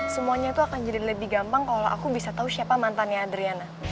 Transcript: semuanya itu akan jadi lebih gampang kalau aku bisa tahu siapa mantannya adriana